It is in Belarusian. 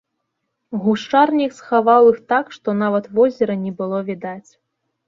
Гушчарнік схаваў іх так, што нават і возера не было відаць.